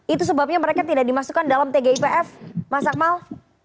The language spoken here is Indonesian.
itu sebabnya mereka tidak dimasukkan dalam tgipf mas akmal